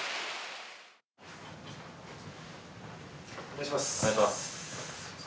お願いします。